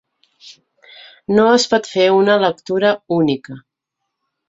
No es pot fer una lectura única.